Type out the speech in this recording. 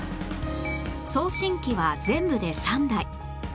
送信機は全部で３台